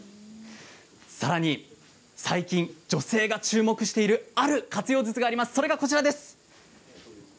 さらに最近、女性が注目しているある活用術があります。